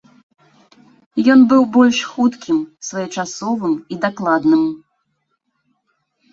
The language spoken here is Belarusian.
Ён быў больш хуткім, своечасовым і дакладным.